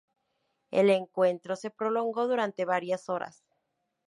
El encuentro se prolongó durante varias horas.